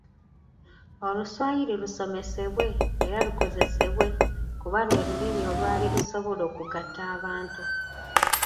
Oluswayiri lusomesebwe era lukozesebwe kuba lwe Lulimi olwali lusobola okugatta abantu.